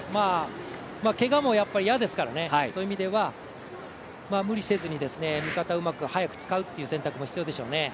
けがも嫌ですから、そういう意味では無理せずに味方をうまく早く使うという選択も必要ですからね。